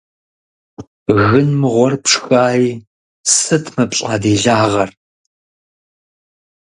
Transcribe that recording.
Гын мыгъуэр пшхаи, сыт мы пщӀэ делагъэр?